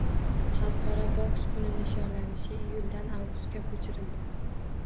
Xalqaro boks kuni nishonlanishi iyuldan avgustga ko‘chirildi